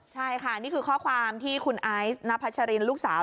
ใช่ค่ะนี่คือข้อความที่คุณไอซ์นพัชรินลูกสาว